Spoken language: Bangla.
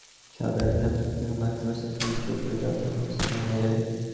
সাত-আটজন সন্ত্রাসী তাঁকে মাইক্রোবাসে তুলে চোখ বেঁধে অজ্ঞাত স্থানে নিয়ে যায়।